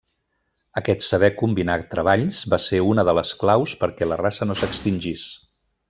Aquest saber combinar treballs va ser una de les claus perquè la raça no s'extingís.